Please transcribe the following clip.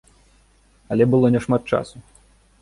Але было няшмат часу.